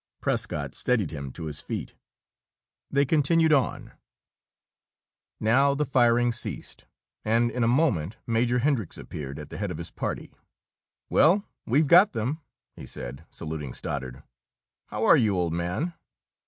Prescott steadied him to his feet. They continued on. Now the firing ceased, and in a moment Major Hendricks appeared, at the head of his party. "Well, we've got them," he said, saluting Stoddard. "How are you, old man?"